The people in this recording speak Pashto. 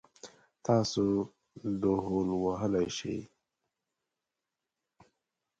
تاسو ډهول وهلی شئ؟